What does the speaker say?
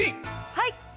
はい！